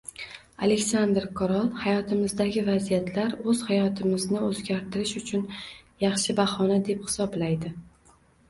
Aleksandr Korol hayotimizdagi vaziyatlar – o‘z hayotimizni o‘zgartirish uchun yaxshi bahona, deb hisoblaydi